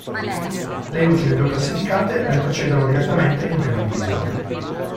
Le ultime due classificate retrocedono direttamente in Prima divisione.